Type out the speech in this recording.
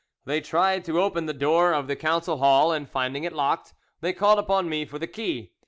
They tried to open the door of the council hall, and finding it locked, they called upon me for the key.